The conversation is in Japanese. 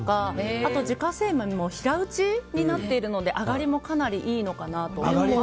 あと自家製麺も平打ちになっているので上がりもかなりいいのかなと。